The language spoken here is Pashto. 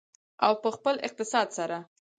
او په خپل اقتصاد سره.